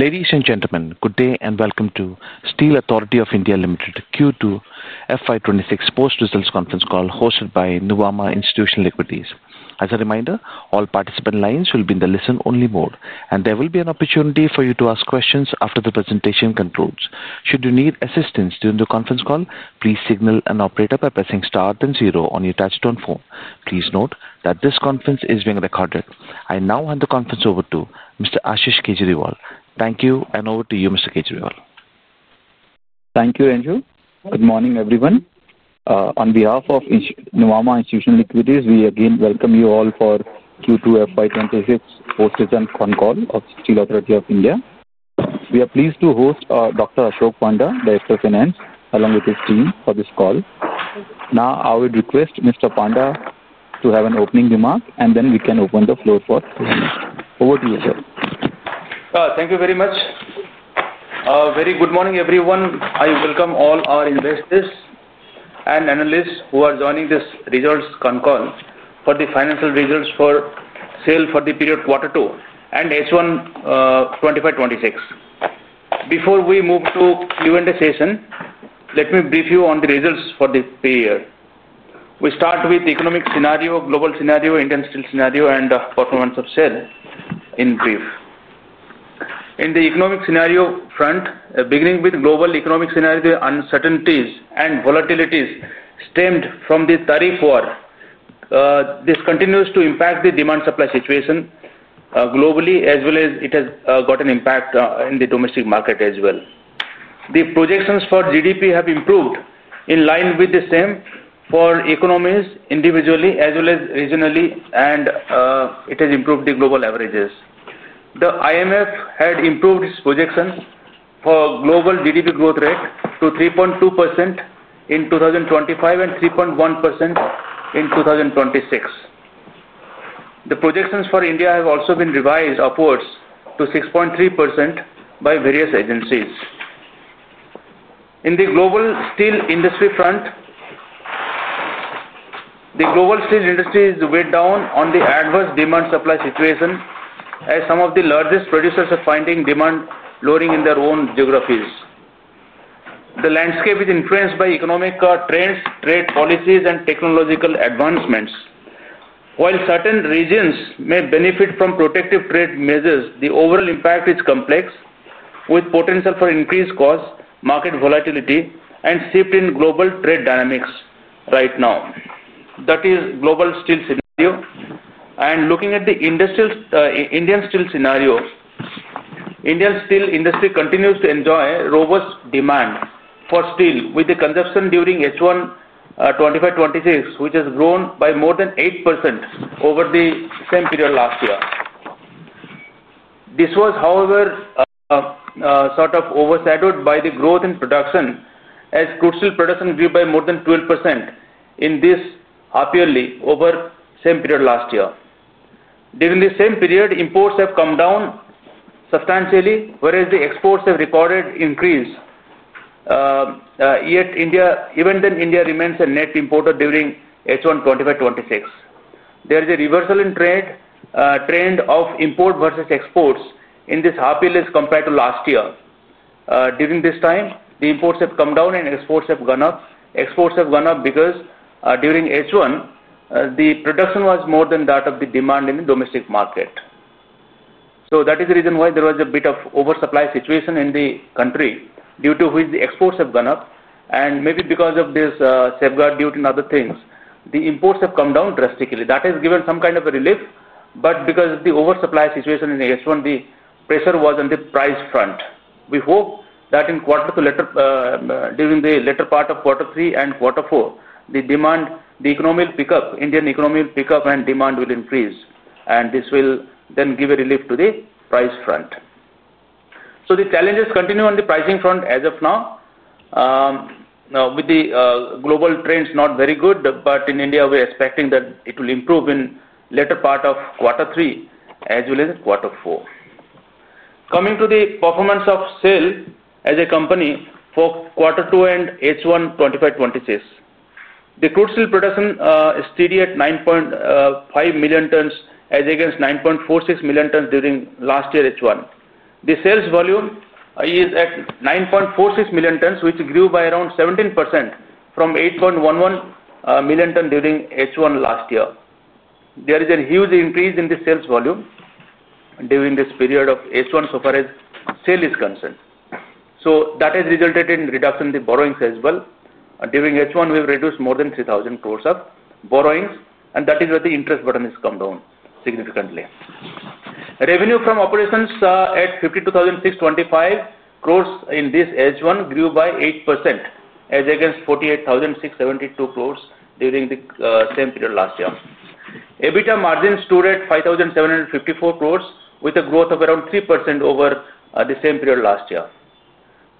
Ladies and gentlemen, good day and welcome to Steel Authority of India Limited Q2 FY 2026 Post Results Conference Call hosted by Nuvama Institutional Equities. As a reminder, all participant lines will be in the listen-only mode and there will be an opportunity for you to ask questions after the presentation concludes. Should you need assistance during the conference call, please signal an operator by pressing star and zero on your touch-tone phone. Please note that this conference is being recorded. I now hand the conference over to Mr. Ashish Kejriwal. Thank you. Over to you, Mr. Kejriwal. Thank you, Ranju. Good morning everyone. On behalf of Nuvama Institutional Equities, we again welcome you all for Q2 FY 2026 hosted phone call of Steel Authority of India Limited. We are pleased to host Dr. Ashok Kumar Panda, Director of Finance, along with his team for this call. Now I would request Dr. Panda to have an opening remark and then we can open the floor for questions. Over to you, sir. Thank you very much. Very good morning everyone. I welcome all our investors and analysts who are joining this results. Concur for the financial results for Steel Authority of India Limited for the period Q2 and H1 2025-2026. Before we move to Q and A session, let me brief you on the results for the pay year. We start with economic scenario, global scenario, intense steel scenario and performance of SAIL in brief. In the economic scenario front, beginning with global economic scenario, the uncertainties and volatilities stemmed from the tariff war. This continues to impact the demand supply situation globally as well as it has got an impact in the domestic market as well. The projections for GDP have improved in line with the same for economies individually as well as regionally and it has improved the global averages. The IMF had improved its projections for global GDP growth rate to 3.2% in 2025 and 3.1% in 2026. The projections for India have also been revised upwards to 6.3% by various agencies. In the global steel industry front, the global steel industry is weighed down on the adverse demand supply situation as some of the largest producers are finding demand lowering in their own geographies. The landscape is influenced by economic trends, trade policies and technological advancements. While certain regions may benefit from protective trade measures, the overall impact is complex with potential for increased cost, market volatility and shift in global trade dynamics. Right now, that is global steel scenario and looking at the Indian steel scenario, Indian steel industry continues to enjoy robust demand for steel with the consumption during H1 2025-2026 which has grown by more than 8% over the same period last year. This was however sort of overshadowed by the growth in production as crude steel production grew by more than 12% in this H1 over same period last year. During the same period imports have come down substantially whereas the exports have recorded increase. Yet even then India remains a net importer. During H1 2025-2026 there is a reversal in trend of import versus exports in this H1 compared to last year. During this time the imports have come down and exports have gone up. Exports have gone up because during H1 the production was more than that of the demand in the domestic market. That is the reason why there was a bit of oversupply situation in the country due to which the exports have gone up. Maybe because of this safeguard due to other things the imports have come down drastically. That has given some kind of a relief. Because of the oversupply situation in Asia, the pressure was on the price front. We hope that in quarter two, later during the later part of quarter three and quarter four, the demand, the economy will pick up, Indian economy will pick up and demand will increase and this will then give a relief to the price front. The challenges continue on the pricing front. As of now, with the global trends not very good, in India we are expecting that it will improve in later part of quarter three as well as quarter four. Coming to the performance of Steel Authority of India Limited as a company for quarter two and H1 FY 2025-2026, the crude steel production steady at 9.5 million tonnes as against 9.46 million tonnes during last year. H1 the sales volume is at 9.46 million tonnes which grew by around 17% from 8.11 million tonnes during H1 last year. There is a huge increase in the sales volume during this period of H1 so far as SAIL is concerned. That has resulted in reduction in the borrowings as well. During H1 we have reduced more than 3,000 crore of borrowings. That is where the interest burden has come down significantly. Revenue from operations at 52,625 crore in this H1 grew by 8% as against 48,672 crore during the same period last year. EBITDA margin stood at 5,754 crore with a growth of around 3% over the same period last year.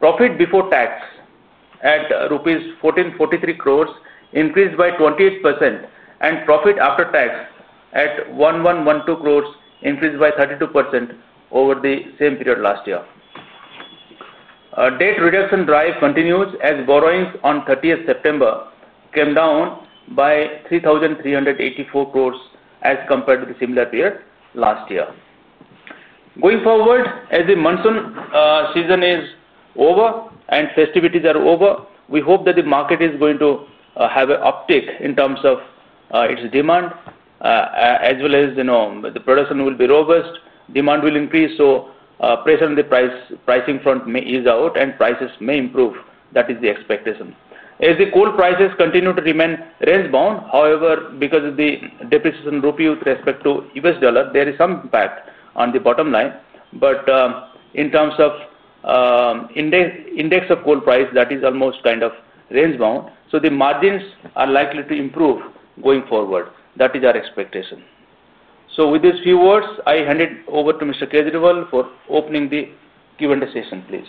Profit before tax at rupees 1,443 crore increased by 28% and profit after tax at 1,112 crore increased by 32% over the same period last year. Debt reduction drive continues as borrowings on 30th September came down by 3,384 crore as compared to the similar period last year. Going forward, as the monsoon season is over and festivities are over, we hope that the market is going to have an uptick in terms of its demand as well as the production will be robust, demand will increase. Pressure on the pricing front may ease out and prices may improve. That is the expectation as the coal prices continue to remain range bound. However, because of the depreciation of rupee with respect to US dollar there is some impact on the bottom line. In terms of index of coal price that is almost kind of range bound. The margins are likely to improve going forward. That is our expectation. With these few words I hand it over to Mr. Kejriwal for opening the Q and A session please.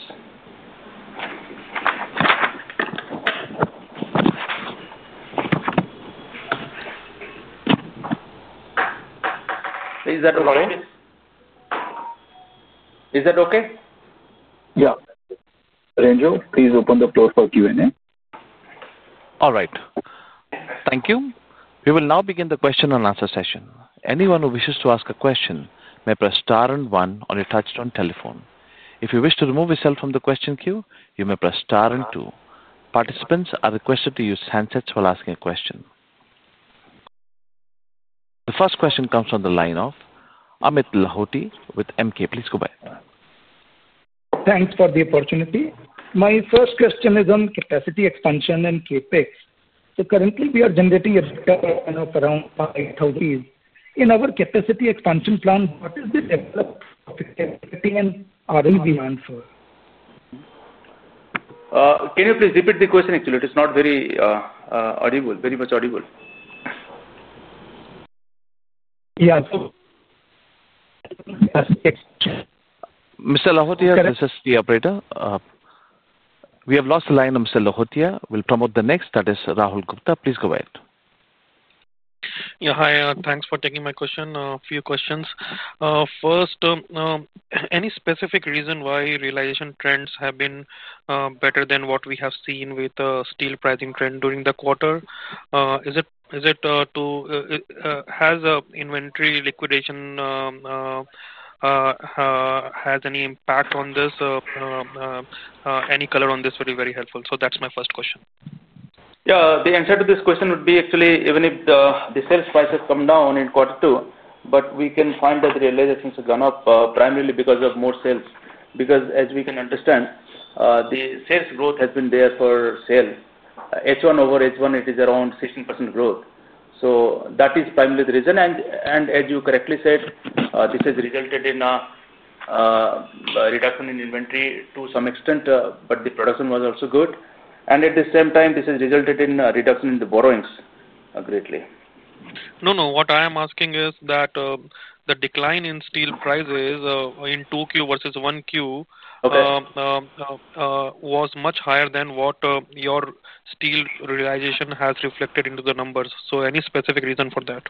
Is that okay? Yeah. Ranger, please open the floor for Q and A. All right, thank you. We will now begin the question and answer session. Anyone who wishes to ask a question may press star and one on your touch-tone telephone. If you wish to remove yourself from the question queue, you may press star and two. Participants are requested to use handsets while asking a question. The first question comes from the line of Amit Lahoti with Emkay. Please go ahead. Thanks for the opportunity. My first question is on capacity expansion and CapEx. Currently we are generating around 8,000 in our capacity expansion plan. What is the development of its capacity and RLB meant for? Can you please repeat the question? Actually it is not very audible. Very much audible. Yeah. Mr. Lahoti, this is the operator. We have lost the line of Lahoti. We'll promote the next. That is Rahul Gupta. Please go ahead. Yeah, hi. Thanks for taking my question. A few questions. First, any specific reason why realization trends have been better than what we have seen with steel pricing trend during the quarter? Has inventory liquidation had any impact on this? Any color on this would be very helpful. That's my first question. Yeah, the answer to this question would be actually even if the sales price has come down in quarter two, but we can find that the realizations have gone up primarily because of more sales. As we can understand, the sales growth has been there for SAIL H1 over H1, it is around 16% growth. That is primarily the reason. As you correctly said, this has resulted in a reduction in inventory to some extent, but the production was also good, and at the same time, this has resulted in reduction in the borrowings greatly. What I am asking is that the decline in steel prices in 2Q versus 1Q was much higher than what your steel realization has reflected into the numbers. Is there any specific reason for that?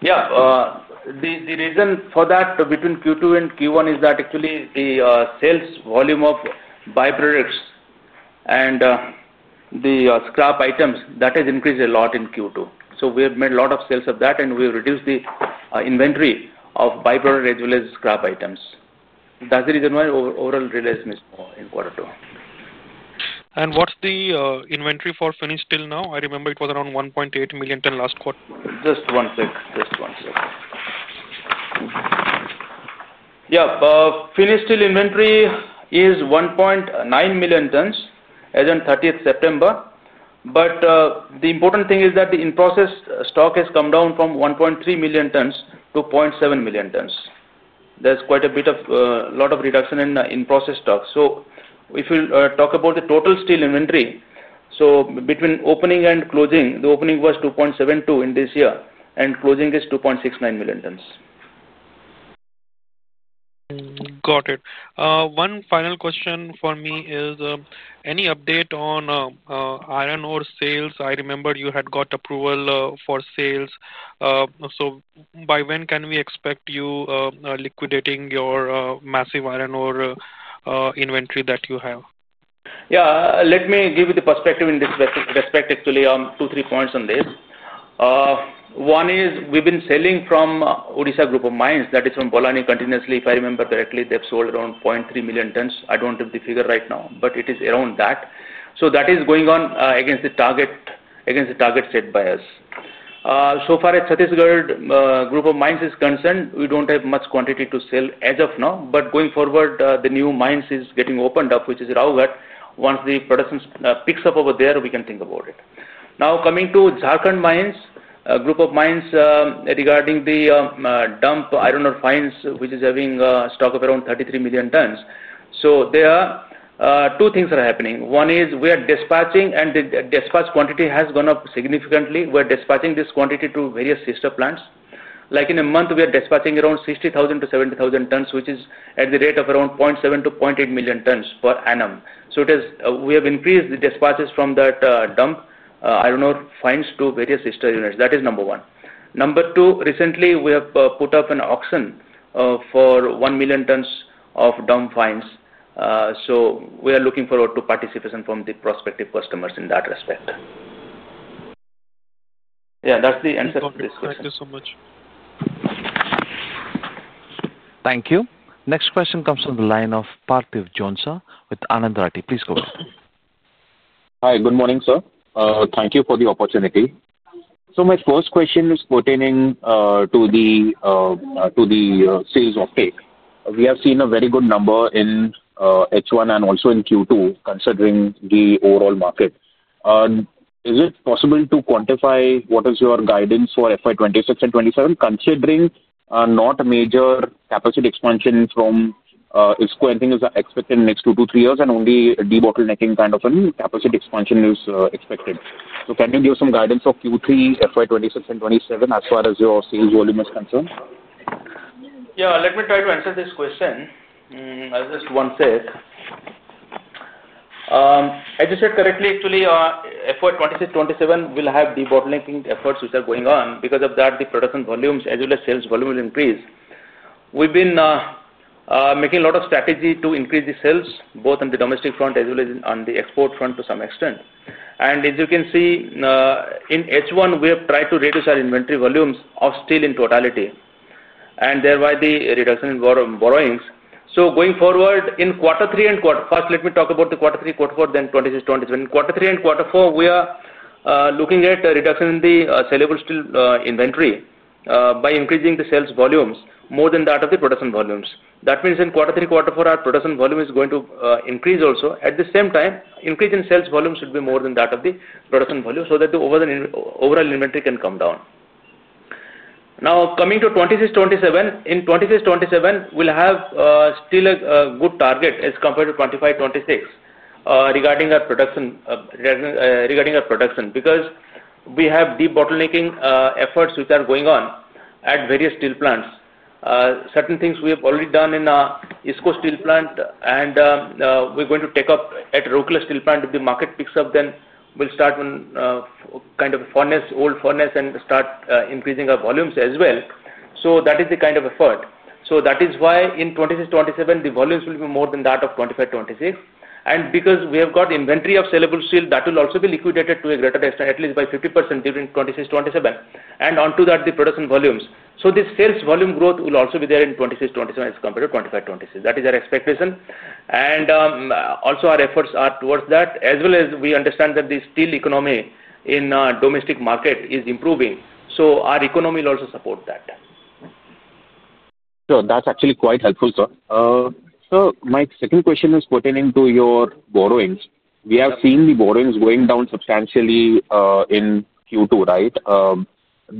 Yeah, the reason for that between Q2 and Q1 is that actually the sales volume of byproducts and the scrap items has increased a lot in Q2. We have made a lot of sales of that, and we have reduced the inventory of byproduct as well as scrap items. That's the reason why overall realized in quarter two. What is the inventory for finished steel now? I remember it was around 1.8 million till last quarter. Just 1 sec, just 1 sec. Yeah. Finished steel inventory is 1.9 million tonnes as on 30th September. The important thing is that the in process stock has come down from 1.3 million tonnes to 0.7 million tonnes. There's quite a bit of lot of reduction in process stocks. If you talk about the total steel inventory, between opening and closing, the opening was 2.72 in this year and closing is 2.69 million tonnes. Got it. One final question for me is any update on iron? I remember you had got approval for sales. By when can we expect you liquidating your massive iron ore inventory that you have? Yeah, let me give you the perspective in this respect. Actually, 2, 3 points on this one is we've been selling from Odisha group of mines, that is from Bolani, continuously. If I remember correctly, they've sold around 0.3 million tonnes. I don't have the figure right now, but it is around that. That is going on against the target set by us. So far as Chhattisgarh group of mines is concerned, we don't have much quantity to sell as of now. Going forward, the new mines is getting opened up, which is Rowghat. Once the production picks up over there, we can think about it. Now, coming to Jharkhand mines, a group of mines regarding the dump iron ore fines, which is having stock of around 33 million tonnes. There are two things happening. One is we are dispatching, and the dispatch quantity has gone up significantly. We are dispatching this quantity to various sister plants. Like in a month, we are dispatching around 60,000- 70,000 tonnes, which is at the rate of around 0.7-0.8 million tonnes per annum. We have increased the dispatches from that dump iron ore fines to various sister units. That is number one. Number two, recently we have put up an auction for 1 million tonnes of dump fines. We are looking forward to participation from the prospective customers in that respect. Yeah, that's the answer. Thank you so much. Thank you. Next question comes from the line of Parthiv Jhonsa with Anand Rathi. Please go ahead. Hi, good morning sir. Thank you for the opportunity. My first question is pertaining to the sales of steel. We have seen a very good number in H1 and also in Q2. Considering the overall market, is it possible to quantify what is your guidance for FY 2026 and 2027 considering not a major capacity expansion from ISCO expansion is expected in the next two to three years and only debottlenecking kind of a capacity expansion is expected. Can you give some guidance of Q3, FY 2026 and 2027 as far as your sales volume is concerned? Yeah, let me try to answer this question just one sec. As you said correctly, actually FY 2026 and FY 2027 will have debottlenecking efforts which are going on. Because of that, the production volumes as well as sales volume will increase. We've been making a lot of strategy to increase the sales both on the domestic front as well as on the export front to some extent. As you can see in H1 we have tried to reduce our inventory volumes of steel in totality and thereby the reduction in borrowings. Going forward in Q3 and Q4, let me talk about Q3, Q4, then FY2026 and FY2027, Q3 and Q4, we are looking at reduction in the saleable steel inventory by increasing the sales volumes more than that of the production volumes. That means in Q3, Q4, our production volume is going to increase. Also at the same time, increase in sales volume should be more than that of the production value so that the overall inventory can come down. Now coming to FY 2026 and FY 2027. In FY 2026 and FY 2027 we'll have still a good target as compared to FY 2025 and FY 2026. Regarding our production, because we have debottlenecking efforts which are going on at various steel plants. Certain things we have already done in IISCO Steel Plant and we're going to take up at Rourkela Steel Plant. If the market picks up, then we will start one kind of furnace, old furnace and start increasing our volumes as well. That is the kind of effort. That is why in FY 2026 and FY 2027 the volumes will be more than that of FY 2025 and FY 2026. Because we have got inventory of saleable steel that will also be liquidated to a greater extent, at least by 50% during FY 2026 and FY 2027 and onto that the production volumes. This sales volume growth will also be there in FY 2026 and FY 2027 as compared to FY 2025 and FY 2026. That is our expectation and also our efforts are towards that as well as we understand that the steel economy in domestic market is improving. Our economy also supports that. That's actually quite helpful, sir. My second question is pertaining to your borrowings. We have seen the borrowings going down substantially in Q2, right?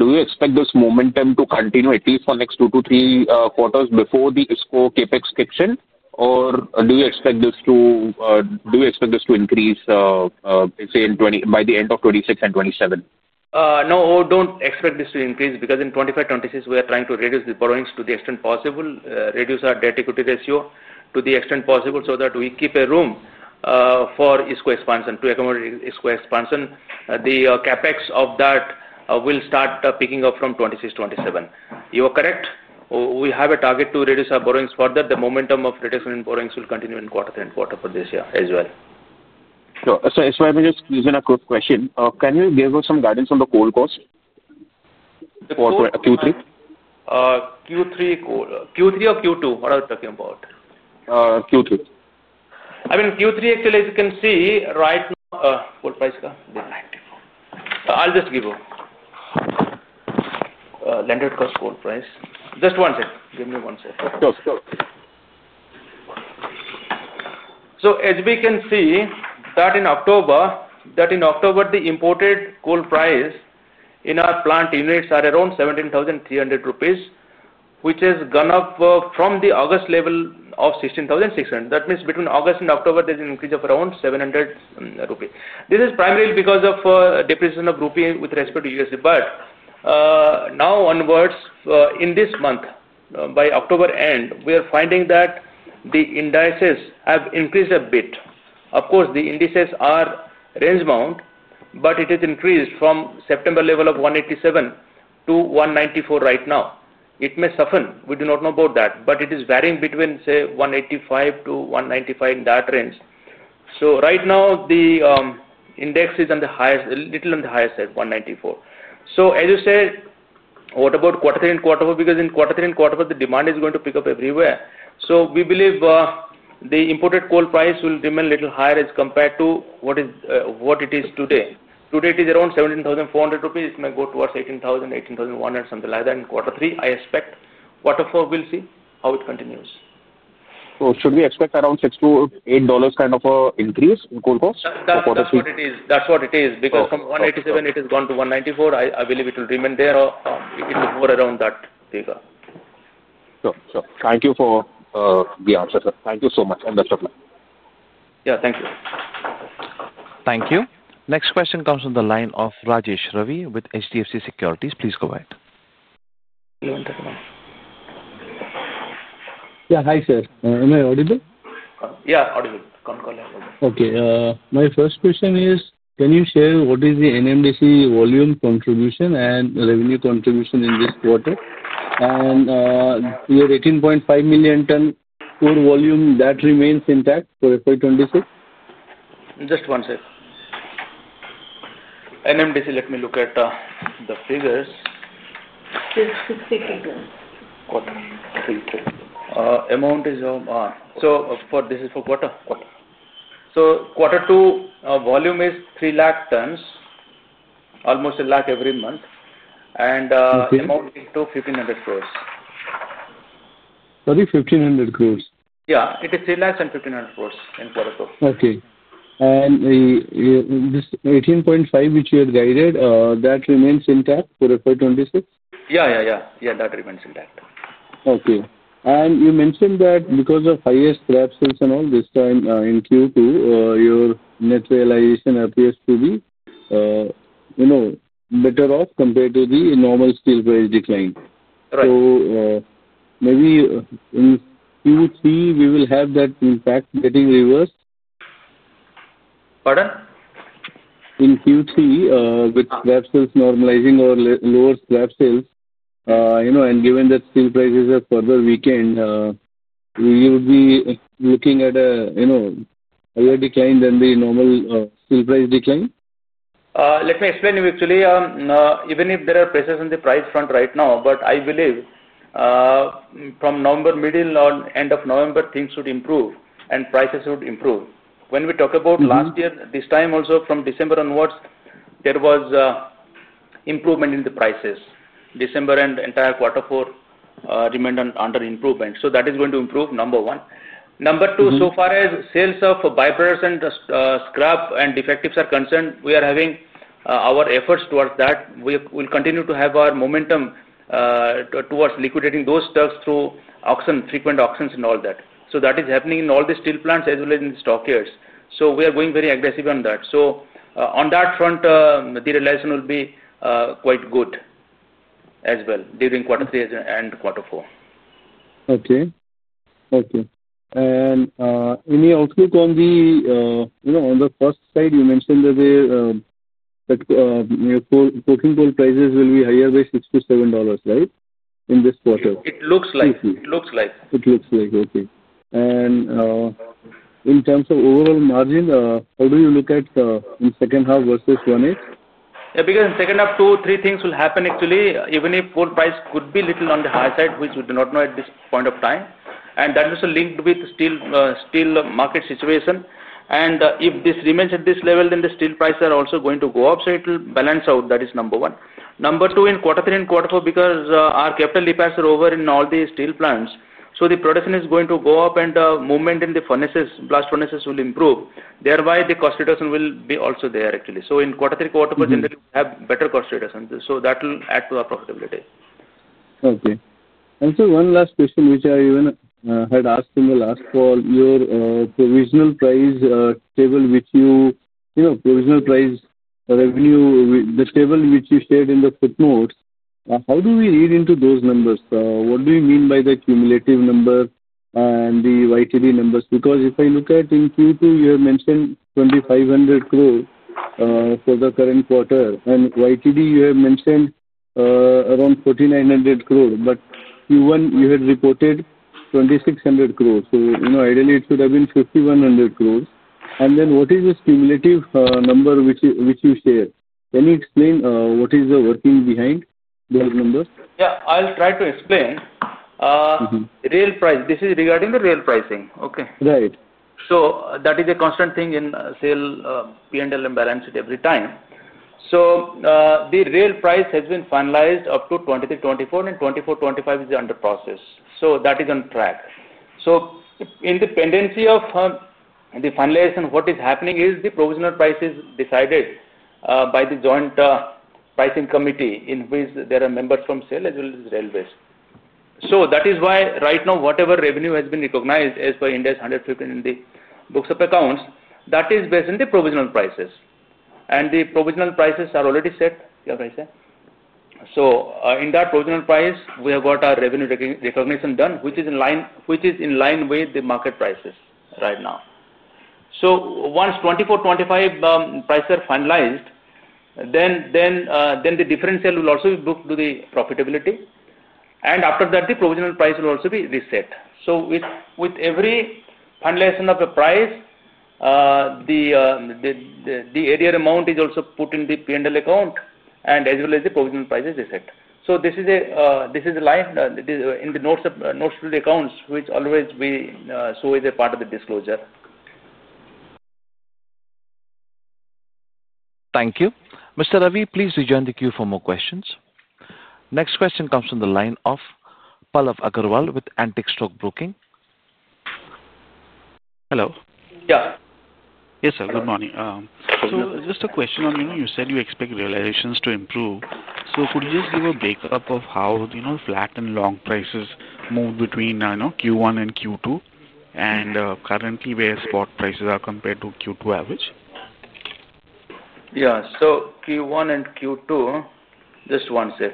Do you expect this momentum to continue at least for the next two to three quarters before the ISCO expansion CapEx kicks in, or do you expect this to increase, say, in 2026 or by the end of 2026 and 2027? No, don't expect this to increase because in 2025-26 we are trying to reduce the borrowings to the extent possible, reduce our debt-equity ratio to the extent possible so that we keep a room for expansion to accommodate ISCO expansion. The CapEx of that will start picking up from 2026-27. You are correct, we have a target to reduce our borrowings further. The momentum of reduction in borrowings will continue in quarter end quarter for this year as well. Sure. I may just use a quick question, can you give us some guidance on the coal cost. Q3 or Q2? What are you talking about? Q3, I mean Q3 actually, as you can see. Right, I'll just give a landed cost coal price. Just one second, give me. As we can see, in October the imported coal price in our plant units is around 17,300 rupees, which has gone up from the August level of 16,600. That means between August and October there is an increase of around 700 rupees. This is primarily because of depreciation of rupee with respect to USD. Now, in this month by October end, we are finding that the indices have increased a bit. Of course, the indices are range bound, but it has increased from the September level of 187-194. Right now, it may soften, we do not know about that, but it is varying between 185-195 in that range. Right now, the index is a little on the highest at 194. As you said, what about quarter three and quarter four? In quarter three and quarter four, the demand is going to pick up everywhere. We believe the imported coal price will remain a little higher as compared to what it is today. It is around 17,400 rupees. It may go towards 18,000, 18,001 and something like that in quarter three. I expect quarter four, we'll see how it continues. Should we expect around $6-$8 kind of an increase in coal cost? That's what it is. Because from 180 it has gone to 194. I believe it will remain there or it is more around that. So. Thank you for the answer, sir. Thank you so much and best of luck. Thank you. Thank you. Next question comes from the line of Rajesh Ravi with HDFC Securities. Please go ahead. Yeah. Hi sir, am I audible? Yeah, audible. Okay. My first question is, can you share what is the NMDC volume contribution and revenue contribution in this quarter, and your 18.5 million ton or volume that remains intact for FY 2026? Just one sec. Let me look at the figures. Amount is of R. This is for quarter. Quarter two, volume is 3 lakh tons, almost a lakh every month, and amount to 1,500 crore. Sorry, 1,500 crore? Yeah, it is 300,000 and 15 billion. Okay. This 18.5 which you had guided, that remains intact for FY 2026. Yeah, that remains in that. Okay. You mentioned that because of highest scrap prices and all this time in Q2, your net realization appears to be better off compared to the normal steel price decline. Maybe in Q3 we will have that impact getting reversed. Pardon? In Q3, with graph sales normalizing or lower scrap sales, and given that steel prices are further weakened, you would be looking at a higher decline than the normal steel price decline. Let me explain to you. Actually, even if there are pressures on the price front right now, I believe from November middle or end of November, things should improve and prices would improve. When we talk about last year, this time also from December onwards there was improvement in the prices. December and entire quarter four remained under improvement. That is going to improve, number one. Number two, so far as sales of byproducts and scrap and defectives are concerned, we are having our efforts towards that. We will continue to have our momentum towards liquidating those stocks through auction, frequent auctions and all that. That is happening in all the steel plants as well as in stockyards. We are going very aggressive on that. On that front, materialization will be quite good as well during quarter three and quarter four. Okay. Okay. Any outlook on the, you know, on the first side? You mentioned that protein coal prices will be higher by $6-$7 in this quarter. It looks like. It looks like, okay. In terms of overall margin, how do you look at in second half versus 1, 8. Because in H2, two, three things will happen. Actually, even if gold price could be a little on the high side, which we do not know at this point of time, that is linked with steel, steel market situation. If this remains at this level, then the steel prices are also going to go up. It will balance out. That is number one. Number two, in quarter three and quarter four, because our CapEx are over in all the steel plants, the production is going to go up and movement in the furnaces, blast furnaces will improve. Thereby, the cost reduction will be also there. In quarter three, quarter four, we can have better cost reductions. That will add to our profitability. Okay, and one last question which I even had asked in the last for your provisional price table, which you know, provisional price revenue, the table which you said in the footnotes, how do we read into those numbers? What do you mean by the cumulative number and the YTD numbers? Because if I look at in Q2 you have mentioned 2,500 crore for the current quarter and YTD you have mentioned around 4,900 crore. Q1 you had reported 2,600 crore. Ideally, it should have been 5,100 crore. What is this cumulative number which you share? Can you explain what is the working behind those numbers? Yeah, I'll try to explain real price. This is regarding the real pricing. Okay. Right. That is a constant thing in SAIL P&L balance sheet every time. The rail price has been finalized up to 2023-2024, and 2024-2025 is under process. That is on track. Independency of the finalization, what is happening is the provisional price is decided by the joint pricing committee in which there are members from SAIL as well as Railways. That is why right now whatever revenue has been recognized as per Ind AS 115 in the books of accounts is based on the provisional prices, and the provisional prices are already set. In that provisional price, we have got our revenue recognition done, which is in line with the market prices right now. Once 2024-2025 prices are finalized, the differential will also be booked to the profitability. After that, the provisional price will also be reset. With every finalization of the price, the arrear amount is also put in the P&L account, and the provision price is reset. This is live in the notes to the accounts, which we always show as a part of the disclosure. Thank you, Mr. Ravi. Please rejoin the queue for more questions. Next question comes from the line of Pallav Agarwal with Antique Stock Broking. Hello. Yeah. Yes sir. Good morning. You said you expect realizations to improve. Could you just give a breakup? How, you know, flat long prices moved between Q1 and Q2, and currently where spot prices are compared to Q2 average. Yeah. Q1 and Q2. Just one sec.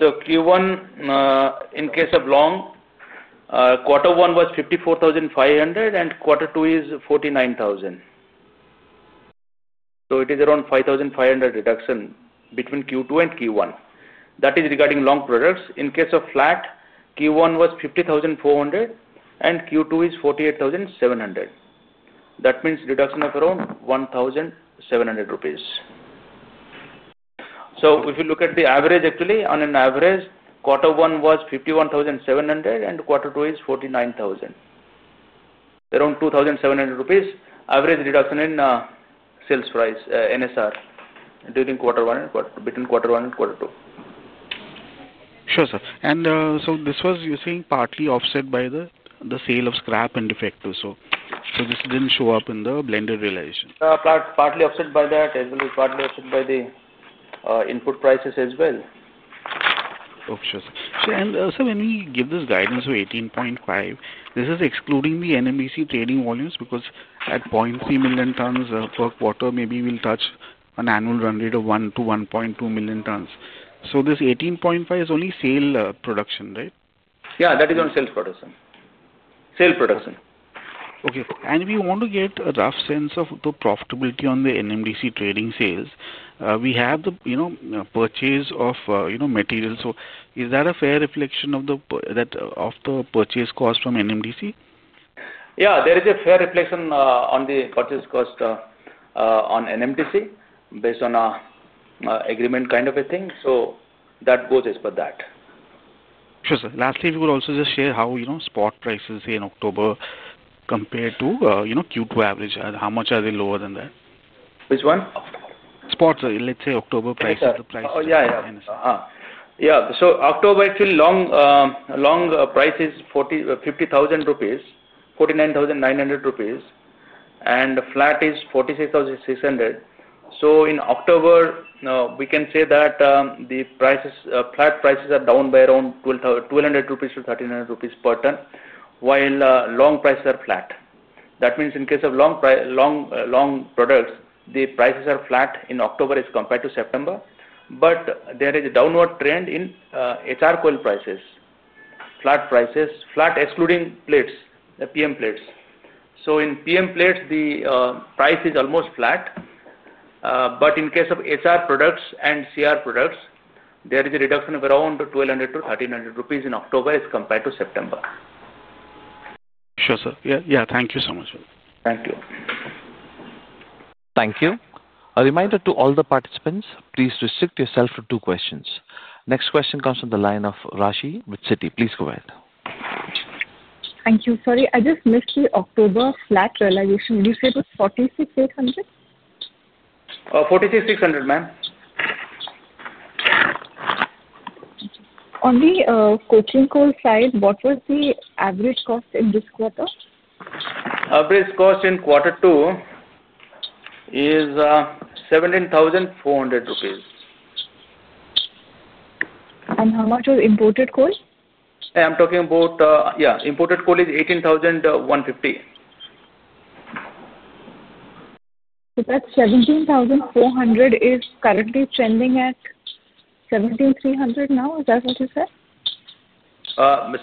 Q1 in case of long, quarter one was 54,500 and quarter two is 49,000. It is around 5,500 reduction between Q2 and Q1. That is regarding long products. In case of flat, Q1 was 50,400 and Q2 is 48,700. That means deduction of around 1,700 rupees. If you look at the average, actually on an average, quarter one was 51,700 and quarter two is 49,000. Around 2,700 rupees average reduction in sales price NSR during quarter one and between quarter one and quarter two. Sure, sir. This was you saying partly offset by the sale of scrap and defective. So. This didn't show up in the blended realization. Partly offset by that as well as partly offset by the input prices as well. When we give this guidance of 18.5, this is excluding the NMDC trading volumes because at 0.3 million tons per quarter maybe we'll touch an annual run rate of 1-1.2 million tons. This 18.5 is only sale production, right? Yeah, that is on sales, production, sale production. Okay. We want to get a rough sense of the profitability on the NMDC trading sales. We have the purchase of material. Is that a fair reflection of the purchase cost from NMDC? Yeah, there is a fair reflection on the purchase cost on NMDC based on an agreement kind of a thing. That goes as per that. Lastly, we will also just share how, you know, spot prices in October compared to, you know, Q2 average. How much are they lower than that? Which one spots? Let's say October price. Yeah. October till long. Long prices 50,000 rupees. 49,900 rupees. Flat is 46,600. In October we can say that the flat prices are down by around 1,200-1,300 rupees per ton, while long prices are flat. That means in case of long products the prices are flat in October as compared to September. There is a downward trend in HR coil prices. Flat prices, flat excluding plates, the PM plates. In PM plates the price is almost flat. In case of HR products and CR products there is a reduction of around 1,200-1,300 rupees in October as compared to September. Sure, sir. Yeah. Thank you so much. Thank you. Thank you. A reminder to all the participants, please restrict yourself to two questions. Next question comes from the line of Rashi with Citi. Please go ahead. Thank you. Sorry, I just missed the October flat realization. Would you say it was 46,800? 46,600, ma'am. On the SAIL side, what was the average cost in this quarter? Average cost in quarter two is INR 17,400. How much was imported coal? I'm talking about. Yeah, imported coal is 18,150. That's 17,400, is currently trending at 17,300. Now, is that what you said,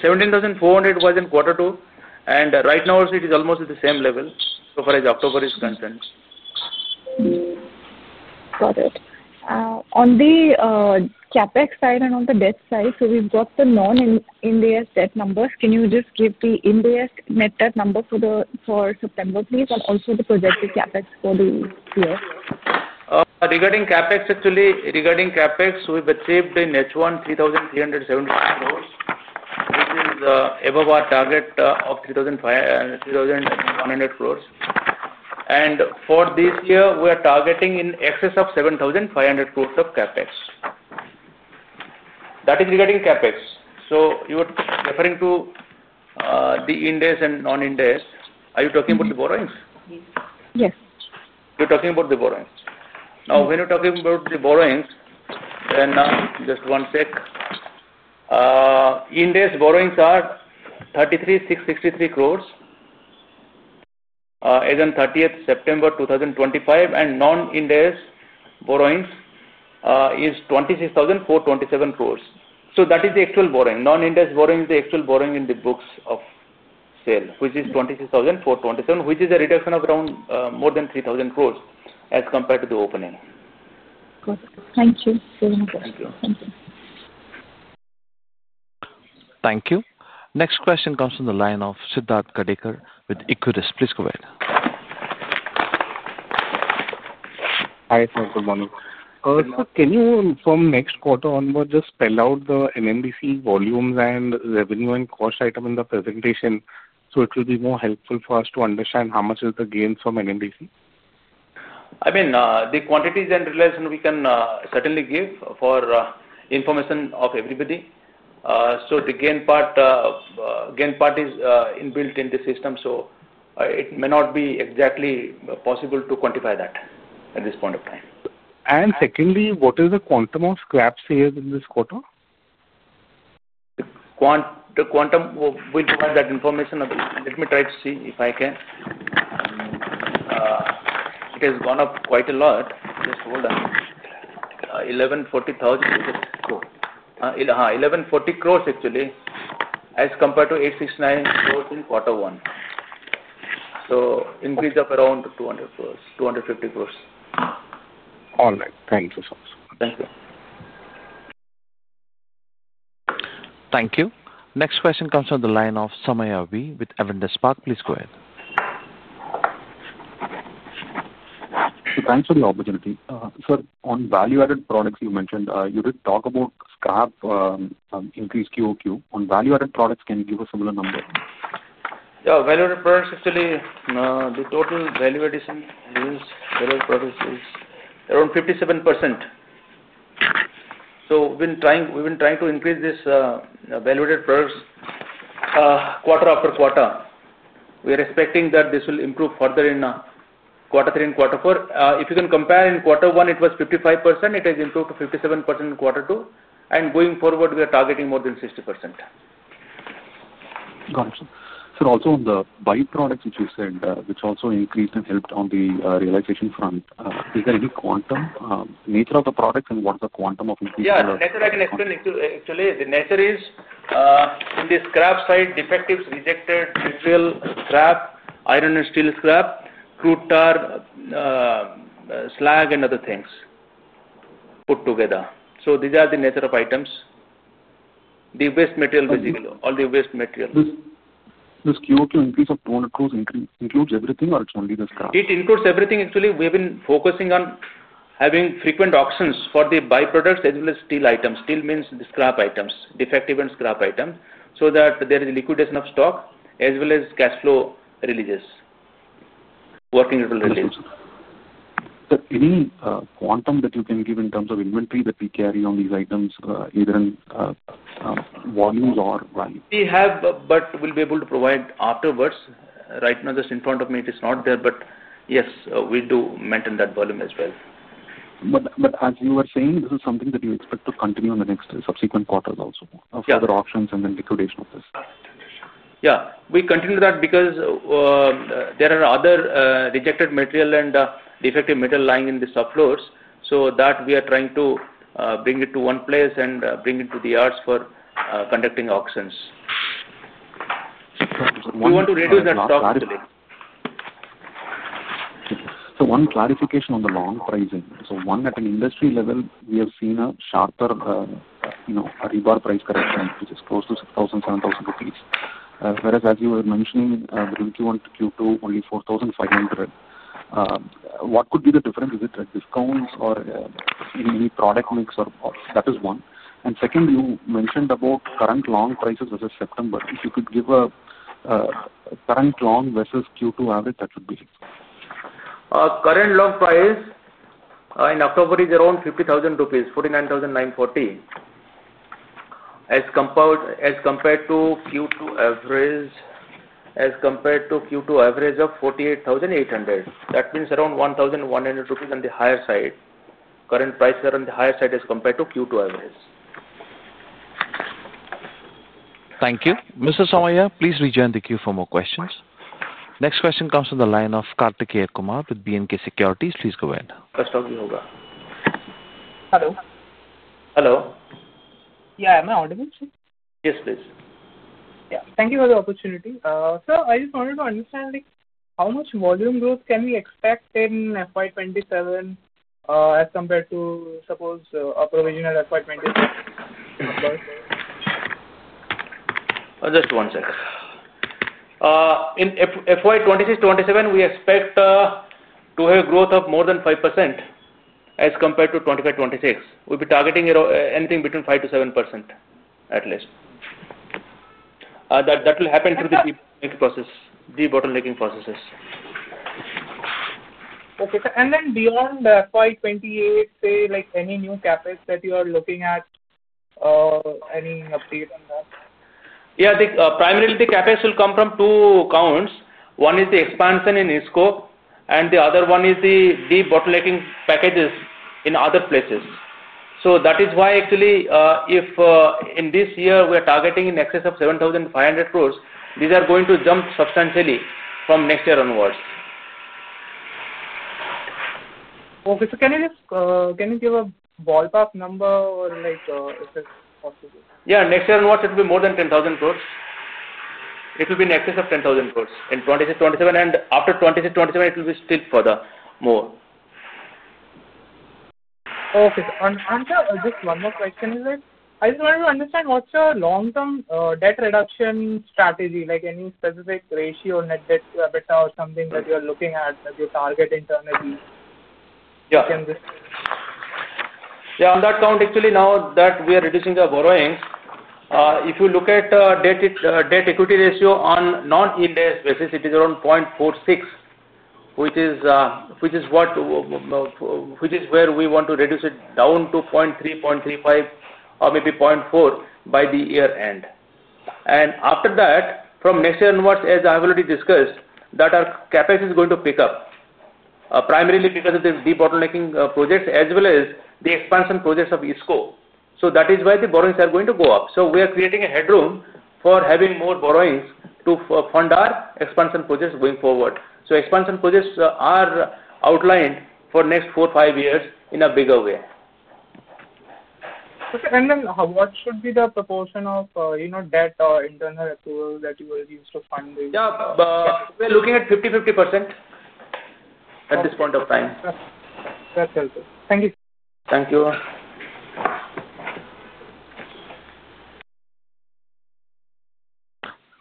17,400 was in quarter two, and right now it is almost at the same level so far as October is concerned. Got it. On the CapEx side and on the debt side, we've got the non-India debt numbers. Can you just give the India net debt number for September, please, and also the projected CapEx for the year? Regarding CapEx, actually regarding CapEx we've achieved in H1 3,370 crore of 3,005 crore, 100 crore, and for this year we are targeting in excess of 7,500 crore of CapEx. That is regarding CapEx. You referring to the index and non-index. Are you talking about the borrowings? Yes, you're talking about the borrowings. Now, when you're talking about the borrowings, just 1 sec. Index borrowings are 33,663 crore as on 30.09.2025, and non-index borrowings is 26,427 crore. That is the actual borrowing. Non-index borrowing. The actual borrowing in the books of SAIL, which is 26,427 crore, which is a reduction of around more than 3,000 crore as compared to the opening. Thank you. Thank you. Next question comes from the line of Sachchidanand Khedekar with Equitas. Please go ahead. Can you from next quarter onward just spell out the NNBC volumes and revenue and cost item in the presentation? It will be more helpful for. Let us understand how much is the gain from NNBC. I mean the quantities and relation we can certainly give for information of everybody. The gain part is inbuilt in the system. It may not be exactly possible to quantify that at this point of time. Secondly, what is the quantum of. Scrap sales in this quarter? We provide that information. Let me try to see if I can. It has gone up quite a lot. 1,140 crores actually as compared to 869 crores in quarter one. Increase of around 200-250 crores. All right, thank you. Thank you. Thank you. Next question comes from the line of Samayavi with Avendus Spark. Please go ahead. Thanks for the opportunity. Sir, on value-added products you mentioned you did talk about QOQ increase on value-added products. Can you give a similar number? Yeah, value-added products, actually the total value addition is around 57%. We've been trying to increase this value-added products quarter after quarter. We are expecting that this will improve further in quarter three and quarter four. If you can compare, in quarter one it was 55%. It has improved to 57% in quarter two, and going forward we are targeting more than 60%. Got it, sir. Also, on the byproducts which you said, which also increased and helped on the realization front, is there any quantum nature of the products? What's the quantum of nature? I can explain. Actually, the nature is in the scrap side. Defectives, rejected material, scrap iron and steel, scrap crude, tar, slag, and other things put together. These are the nature of items, the waste material. Basically, all the waste material. This qoq increase of 200 crore includes everything, or it's only the scrap? It includes everything. Actually, we've been focusing on having frequent auctions for the by-products as well as steel items. Steel means the scrap items, defective and scrap items, so that there is liquidation of stock as well as cash flow releases working. you release any quantum that you can give in terms of inventory that we carry on these items, even volumes or? We have, but we'll be able to provide afterwards. Right now, just in front of me, it is not there. Yes, we do maintain that Berlin as well. As you were saying, this is something that you expect to continue in the next subsequent quarters also, of other options and then liquidation of this. Yeah, we continue that because there are other rejected material and defective metal lying in the subfloors. We are trying to bring it to one place and bring it to the yards for conducting auctions. We want to reduce that stock. One clarification on the long pricing. At an industry level, we have seen a sharper rebar price correction, which is close to 6,000-7,000 rupees. Whereas, as you were mentioning, during Q1 to Q2, only 4,500. What could be the difference? Is it discounts or any product mix? That is one. You mentioned about current long prices versus September. If you can give a current long versus Q2 average, that would be current. Long price in October is around 50,000 rupees, 49,940 as compared to Q2 average of 48,800. That means around 1,100 rupees on the higher side. Current prices are on the higher side as compared to Q2. Thank you, Mr. Somaya. Please rejoin the queue for more questions. Next question comes from the line of Karthik Kumar with BNP Paribas Securities. Please go ahead. Hello. Hello. Yeah, am I audible? Yes please. Yeah. Thank you for the opportunity. Sir, I just wanted to understand how much volume growth can we expect in FY 2027 as compared to suppose a. Provisional FY 2026. In FY 2026-2027 we expect to have growth of more than 5% as compared to FY 2025- 2026. We'll be targeting anything between 5%-7% at least. That will happen through the bottlenecking process. The bottlenecking process. Beyond FY 2028, say like any new CapEx that you are looking at. Any update on that? Yeah, primarily the CapEx will come from two counts. One is the expansion in scope and the other one is the debottlenecking packages in other places. That is why actually if in this year we are targeting in excess of 7,500 crore, these are going to jump substantially from next year onwards. Okay, can you give a ballpark number or like. Yeah, next year on what it be more than 10,000 crores. It will be in excess of 10,000 crores in 2026-2027, and after 2026-2027 it will be still further more. Okay, just one more question. I just wanted to understand what's your long-term debt reduction strategy. Like, any specific ratio, net debt to EBITDA or something that you're looking at that you target internally? Yeah, on that count, actually, now that we are reducing the borrowings, if you look at debt-equity ratio on non-index basis, it is around 0.46, which is where we want to reduce it down to 0.35 or maybe 0.4 by the year end. After that, from next year onwards, as I have already discussed, our CapEx is going to pick up primarily because of the debottlenecking projects as well as the expansion projects of ISCO. That is why the borrowings are going to go up. We are creating a headroom for having more borrowings to fund our expansion projects going forward. Expansion projects are outlined for next four, five years in a bigger way. What should be the proportion of, you know, debt or internal accrual. That you are used to funding? Yeah, we're looking at 50, 50% at this point of time. Thank you, thank you.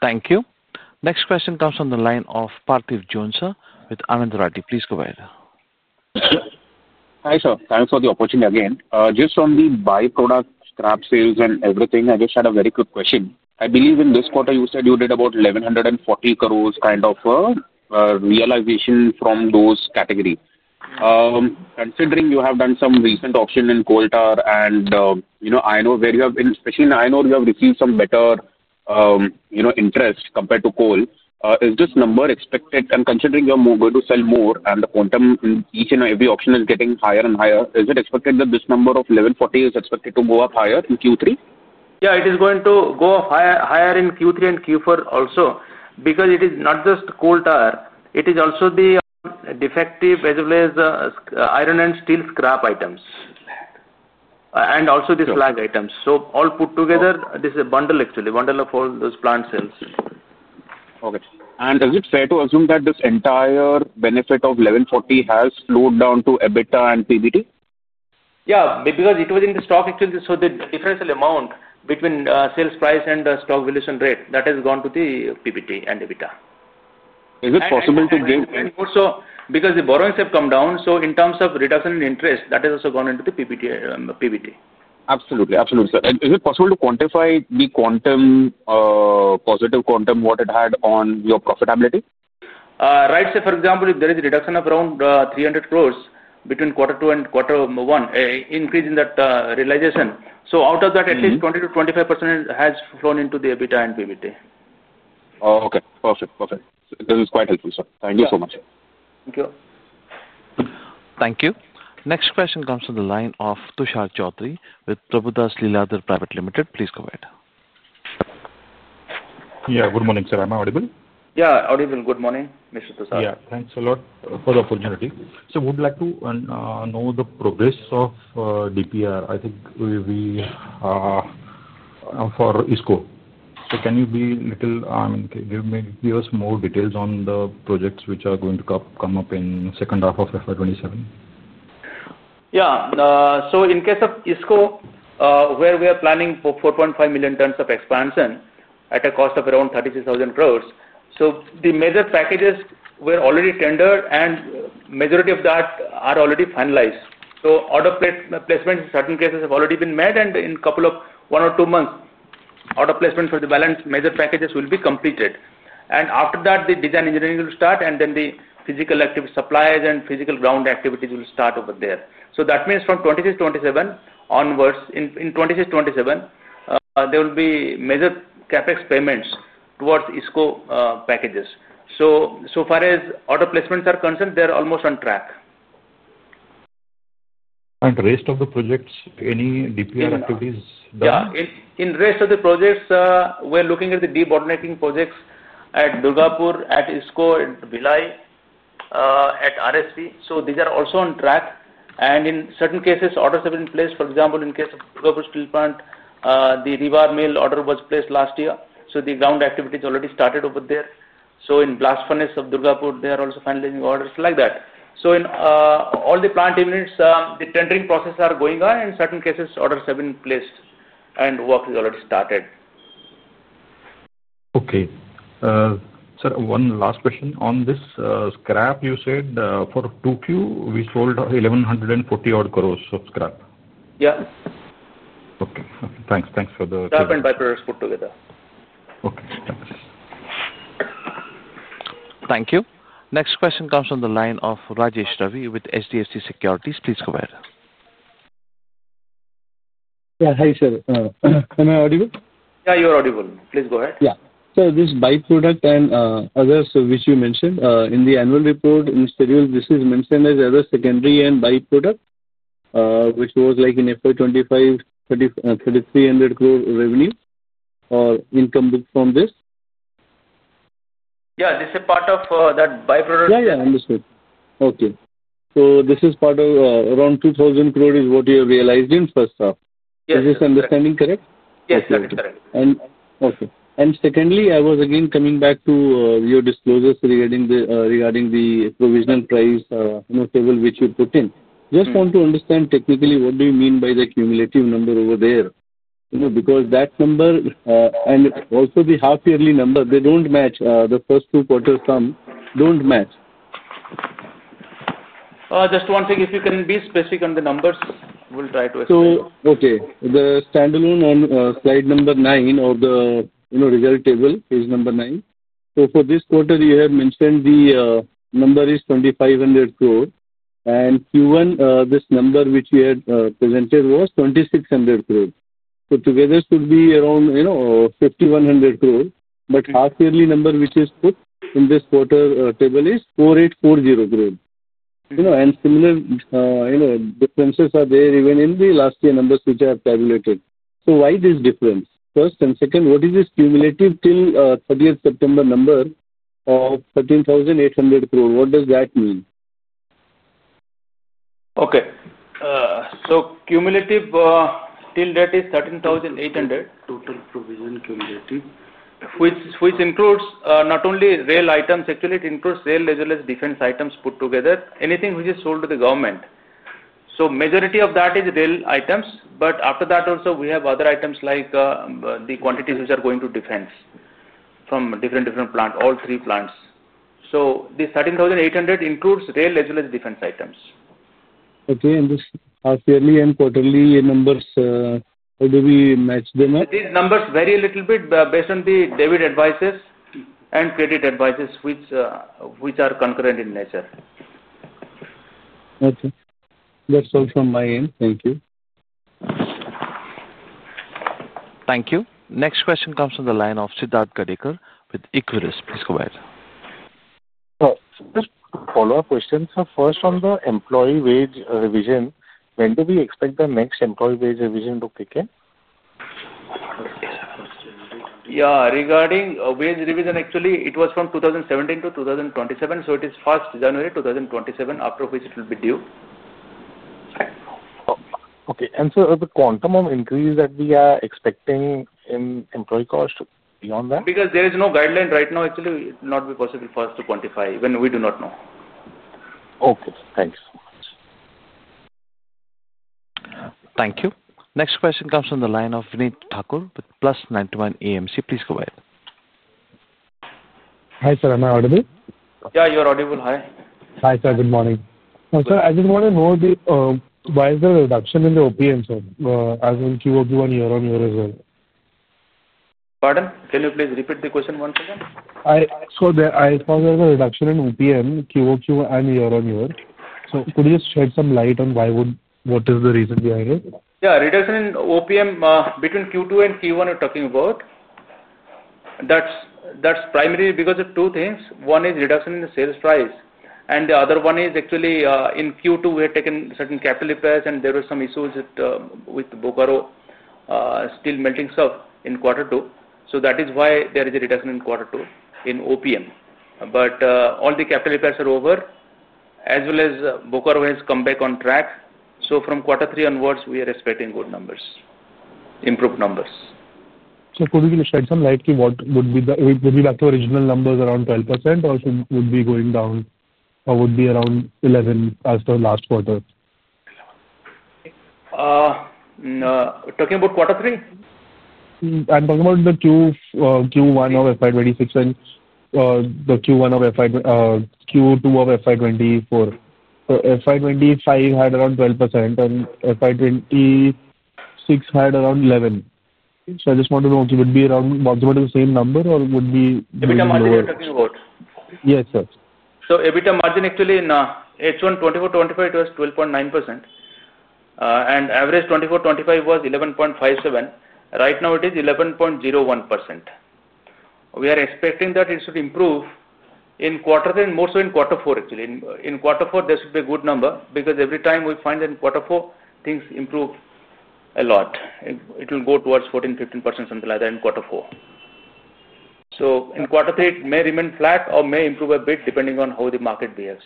Thank you. Next question comes from the line of Parthiv Jhonsa with Anand Rathi. Please go ahead. Hi sir, thanks for the opportunity. Just on the byproduct scrap sales and everything, I just had a very quick question. I believe in this quarter you said you did about 1,140 crore kind of realization from those category. Considering you have done some recent auction in coal tar and, you know, where you have been, especially in iron ore, you have received some better interest compared to coal. Is this number expected? Considering you're going to sell more and the quantum, each and every auction is getting higher and higher, is it expected that this number of levels 40 is expected to go up higher in Q3? Yeah, it is going to go up higher, higher in Q3 and Q4 also because it is not just coal tar, it is also the defective as well as iron and steel scrap items and also the slag items. All put together, this is a bundle, actually a bundle of all those plant sales. Okay. Is it fair to assume that this entire benefit of 1,140 has flowed down to EBITDA and PBT? Yeah, because it was in the stock exchanges. The differential amount between sales price and stock valuation rate that has gone to the PBT and EBITDA, is it possible to get? Because the borrowings have come down, in terms of reduction in interest, that has also gone into the PBT after. Absolutely, absolutely. Sir, is it possible to quantify the positive quantum, what it had on your profitability? Right. Say for example if there is a reduction of around 300 crore between quarter two and quarter one, an increase in that realization. Out of that, at least 20%-25% has flown into the EBITDA and PBT. Okay, perfect, perfect. This is quite helpful, sir. Thank you so much. Thank you, thank you. Next question comes from the line of Tushar Chaudhary with Prabhudas Lilladher Private Limited. Please go ahead. Good morning, sir. Am I audible? Yeah, audible. Good morning. Yeah, thanks a lot for the opportunity. Would like to know the progress of DPR. I think we for ISCO. Can you be little? I mean, give me yours more details on the projects which are going to come up in second half of FY 2027. Yeah. In case of ISCO expansion where we are planning 4.5 million tons of expansion at a cost of around 36,000 crore, the major packages were already tendered and majority of that are already finalized. Order placements in certain cases have already been made and in a couple of one or two months, order placement for the balance major packages will be completed. After that, the design engineering will start and then the physical activity, supplies, and physical ground activities will start over there. That means from 2026-2027 onwards, in 2026-2027 there will be major CapEx payments towards ISCO expansion packages. So far as order placements are concerned, they're almost on track. the rest of the projects, any DPR activities? Yeah, in rest of the projects we're looking at the debottlenecking projects at Durgapur, at ISCO, at Bhilai, at RSP. These are also on track. In certain cases, orders have been placed. For example, in case of Durgapur Steel Plant, the rebar mill order was placed last year. The ground activities already started over there. In blast furnace of Durgapur, they are also finalizing orders like that. In all the plant units, the tendering processes are going on. In certain cases, orders have been placed and work is already started. Okay sir, one last question. On this scrap, you said for Q2 we sold 1,140 crore of scrap. Yeah. Okay, thanks. Thanks for putting this together. Okay, thanks. Thank you. Next question comes from the line of Rajesh Ravi with HDFC Securities. Please go ahead. Yeah. Hi sir, am I audible? Yeah, you're audible. Please go ahead. Yeah, so this byproduct and others which you mentioned in the annual report in schedule, this is mentioned as other secondary and byproduct, which was like in FY 2025 3,300 crore revenue or income booked from this. Yeah, this is a part of that byproduct. Yeah, yeah, understood. Okay, this is part of around 2,000 crore you have realized in the first half. Is this understanding correct? Yes. Okay. Secondly, I was again coming back to your disclosures regarding the provisional price table which you put in. I just want to understand technically what do you mean by the cumulative number over there, because that number and also the half yearly number, they don't match. The first two quarters don't match. Just one thing. If you can be specific on the numbers, we'll try to. Okay. The standalone on slide number nine or the result table is number nine. For this quarter you have mentioned the number is 2,500 crore and Q1. This number which we had presented was 2,600 crore. Put together should be around 5,100 crore. Half yearly number which is put in this quarter table is 4,840 crore. Similar differences are there even in the last year numbers which I have calculated. Why this difference first, and second, what is this cumulative till 30th September number of 13,800 crore? What does that mean? Okay, so cumulative till that is 13,800 million total provision cumulative, which includes not only rail items. It actually includes rails as well as defense items put together, anything which is sold to the government. The majority of that is rail items. After that also we have other items like the quantities which are going to defense from different plants, all three plants. So the 13,800 million includes rails as well as defense items. Okay. These yearly and quarterly numbers, how do we match them? These numbers vary a little bit based on the debit advices and credit advices, which are concurrent in nature. That's also my end. Thank you. Thank you. Next question comes from the line of Siddharth Khadikar with Equitas. Please go ahead. Follow-up questions. First, on the employee wage revision. When do we expect the next employee? Wage revision to kick in? Yeah, regarding wage revision, actually it was from 2017-2027. It is first January 2027 after which it will be due. Okay. The quantum of increase that we are expecting in employee cost beyond. That is because there is no guideline right now. Actually, it will not be possible for us to quantify when we do not know. Okay, thanks. Thank you. Next question comes from the line of Vinit Thakur with Plus91 AMC. Please go ahead. Hi sir. Am I audible? Yeah, you're audible. Hi. Hi sir, good morning. I just want to know. Why is there a reduction in the OPM, sir, as in Q1 year on year as well? Pardon? Can you please repeat the question once again? I. I found a reduction in OPM QOQ here. Could you shed some light on why? What is the reason behind it? Yeah, reduction in OPM between Q2 and Q1 you're talking about. That's primarily because of two things. One is reduction in the sales price, and the other one is actually in Q2 we had taken certain capital repairs and there were some issues with Bokaro steel melting shop in quarter two. That is why there is a reduction in quarter two in OPM. All the capital repairs are over as well as Bokaro has come back on track. From quarter three onwards we are expecting good numbers, improved numbers. Could we shed some light what would be the. Would be back to original numbers around 12% or should be going down, would be around 11% as the last quarter. Talking about quarter three, I'm talking about the Q1 of FY 2026 and the. Q1 of FY 2024, Q2 of FY 2024. FY 2025 had around 12% and FY 2026 had around 11. I just want to know would. Be around maximum same number or would be. Yes sir. EBITDA margin actually in H1 2024-25 was 12.9% and average 2024-25 was 11.57%. Right now it is 11.01%. We are expecting that it should improve in quarter three, then more so in quarter four. Actually, in quarter four there should be a good number because every time we find that in quarter four things improve a lot. It will go towards 14, 15%, something like that in quarter four. 4. In quarter three it may remain flat or may improve a bit depending on how the market behaves.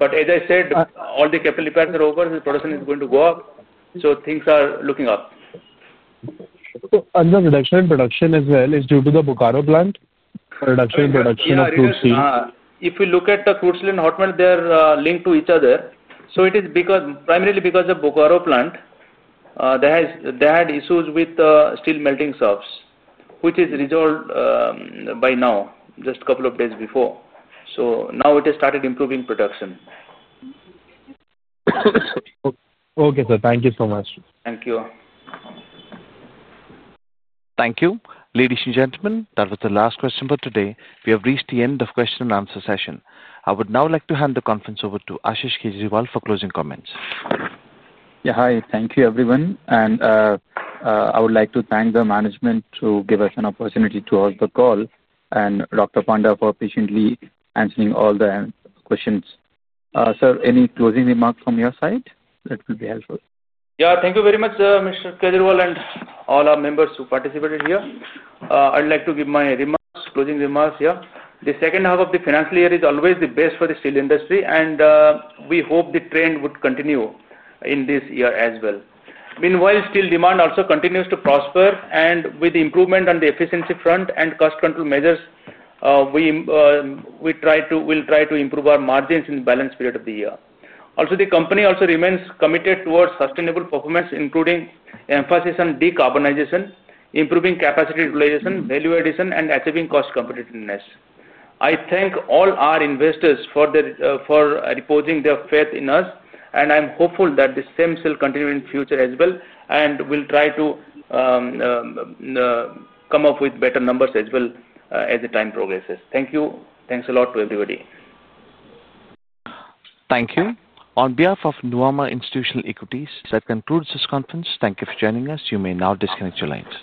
As I said, all the capital pads are over. The production is going to go up, so things are looking up. Reduction in production as well is due. To the Bokaro plant reduction of crude. If we look at the crude steel and hot melt, they are linked to each other. It is primarily because of Bokaro plant; they had issues with steel melting shafts, which is resolved by now, just a couple of days before. Now it has started improving production. Okay sir, thank you so much. Thank you. Thank you, ladies and gentlemen. That was the last question for today. We have reached the end of the question and answer session. I would now like to hand the conference over to Ashish Kejriwal for closing comments. Hi, thank you everyone. I would like to thank the management to give us an opportunity to hold the call and Dr. Ashok Kumar Panda for patiently answering all the questions. Sir, any closing remarks from your side. That will be helpful? Yeah, thank you very much. Mr. Kejriwal and all our members who participated here. I'd like to give my closing remarks here. The second half of the financial year is always the best for the steel industry and we hope the trend would continue in this year as well. Meanwhile, steel demand also continues to prosper, and with the improvement on the efficiency front and cost control measures, we will try to improve our margins in the balance period of the year. Also, the company remains committed towards sustainable performance including emphasis on decarbonization, improving capacity utilization, value addition, and achieving cost competitiveness. I thank all our investors for reposing their faith in us and I'm hopeful that the same shall continue in future as well and we'll try to come up with better numbers as the time progresses. Thank you. Thanks a lot to everybody. Thank you. On behalf of Nuvama Institutional Equities, that concludes this conference. Thank you for joining us. You may now disconnect your lines.